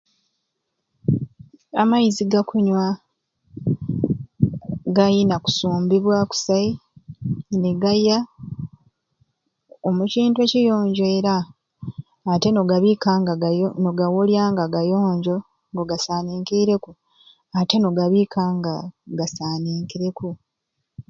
Amaizi gakunywa gayina kusumbibwa kusai ne gaya omu kintu ekiyonjo era ate n'ogabiika no n'ogawolya nga gayonjo nga ogasanikireku ate n'ogabiila n'ogawolya nga ogasanikireku.